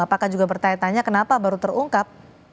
apakah juga bertanya tanya kenapa baru terungkap